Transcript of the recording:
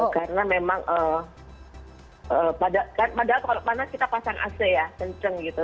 karena memang padahal kalau panas kita pasang ac ya kenceng gitu